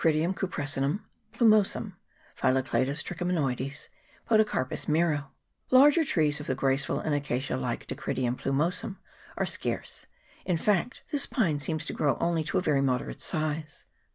crydium cupressinum, plumosum, Phyllocladus tri chomanoides, Podocarpus miro) ; larger trees of the graceful and acacia like Dacrydium plumosum are scarce ; in fact, this pine seems to grow only to a very moderate size.